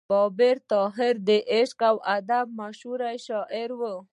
بابا طاهر د عشق او ادب مشهور شاعر و.